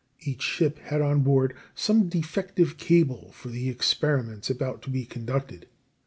Each ship had on board some defective cable for the experiments about to be conducted.